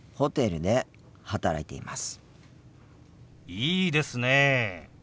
いいですねえ。